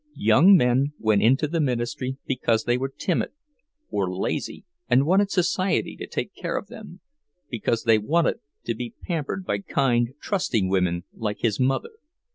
Young men went into the ministry because they were timid or lazy and wanted society to take care of them; because they wanted to be pampered by kind, trusting women like his mother.